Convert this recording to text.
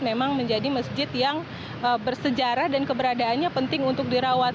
memang menjadi masjid yang bersejarah dan keberadaannya penting untuk dirawat